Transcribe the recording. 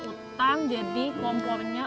utang jadi kompornya